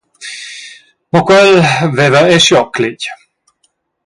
Mo quel haveva era schiglioc cletg.